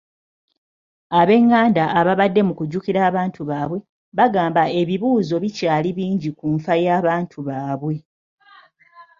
Ab'enganda ababadde mu kujjukira abantu baabwe, bagamba ebibuuzo bikyali bingi ku nfa y'abantu baabwe.